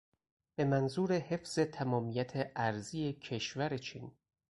به منظور حفظ تمامیت ارضی کشور چین